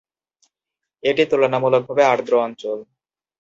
এটি তুলনামূলকভাবে আর্দ্র অঞ্চল।